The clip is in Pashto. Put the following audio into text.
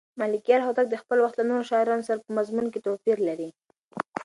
ملکیار هوتک د خپل وخت له نورو شاعرانو سره په مضمون کې توپیر لري.